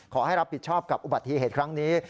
ขอให้รับผิดชอบกับอุบัติเหตุครั้งนี้